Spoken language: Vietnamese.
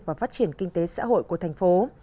và phát triển kinh tế xã hội của thành phố